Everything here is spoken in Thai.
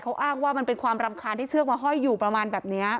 เขาอ้างว่ามันเป็นความรำคาญที่เชือกมาห้อยอยู่ประมาณแบบนี้